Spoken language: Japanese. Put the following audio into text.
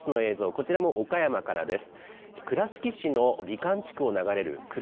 こちらも岡山からです。